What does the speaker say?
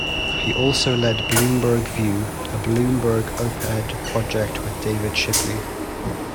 He also led Bloomberg View, a Bloomberg op-ed project, with David Shipley.